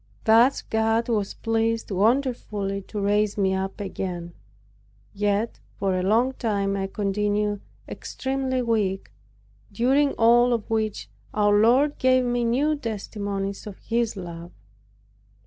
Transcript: Thus God was pleased wonderfully to raise me up again; yet for a long time I continued extremely weak, during all of which our Lord gave me new testimonies of His love.